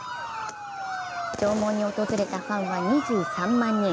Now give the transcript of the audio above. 弔問に訪れたファンは２３万人。